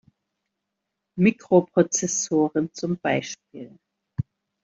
Mikroprozessoren zum Beispiel.